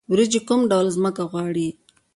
وریجې کوم ډول ځمکه غواړي؟